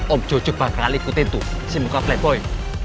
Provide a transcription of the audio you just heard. om jojo bakal ikutin tuh si muka playpoint